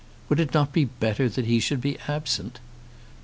Would it not be better that he should be absent?